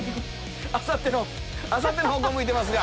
あさっての方向向いてますが。